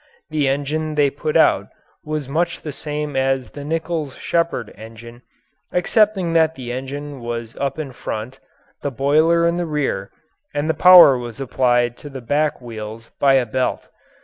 The engine they put out was much the same as the Nichols Shepard engine excepting that the engine was up in front, the boiler in the rear, and the power was applied to the back wheels by a belt.